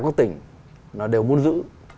các tỉnh nó đều muốn giữ